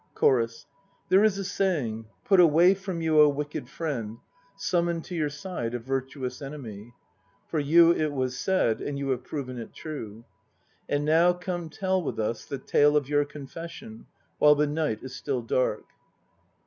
CHORUS. There is a saying, "Put away from you a wicked friend; summon to your side a virtuous enemy." For you it was said, and you have proven it true. And now come tell with us the tale of your confession, while the night is still dark.